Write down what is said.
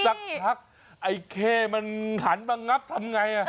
สักพักไอ้เข้มันหันมางับทำไง